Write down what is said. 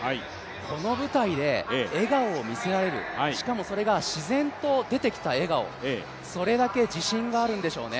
この舞台で笑顔を見せられるしかもそれが自然と出てきた笑顔、それだけ自信があるんでしょうね。